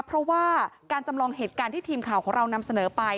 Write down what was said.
เพราะว่าการจำลองเหตุการณ์ที่ทีมข่าวของเรานำเสนอไป